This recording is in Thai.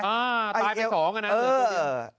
อ่าตายไปสองอ่ะนะ